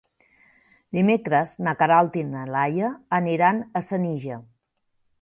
Dimecres na Queralt i na Laia aniran a Senija.